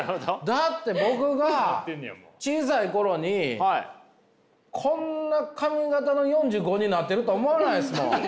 だって僕が小さい頃にこんな髪形の４５になってるとは思わないですもん。